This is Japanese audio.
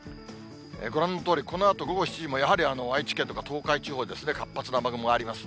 ご覧のとおり、このあと午後７時もやはり、愛知県とか東海地方、活発な雨雲があります。